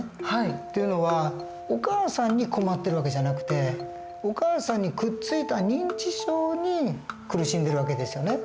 っていうのはお母さんに困ってる訳じゃなくてお母さんにくっついた認知症に苦しんでる訳ですよね。